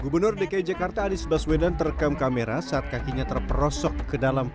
gubernur dki jakarta anies baswedan terekam kamera saat kakinya terperosok ke dalam